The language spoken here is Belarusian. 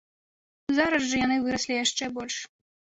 Зараз жа яны выраслі яшчэ больш.